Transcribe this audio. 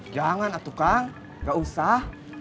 jangan atuh kang gak usah